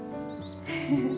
フフフッ。